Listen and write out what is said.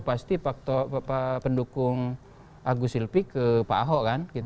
pasti pendukung agus silpi ke pak ahok kan